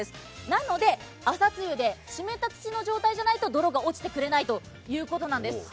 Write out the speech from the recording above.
なので朝露で湿った土の状態じゃないと泥が落ちてくれないということなんです。